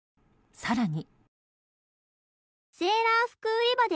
更に。